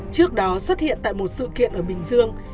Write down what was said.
trước đó xuất hiện tại một sự kiện ở bình dương